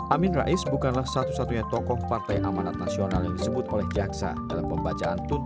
amin rais bukanlah satu satunya tokoh partai amanat nasional yang disebut oleh jaksa dalam pembacaan tuntutan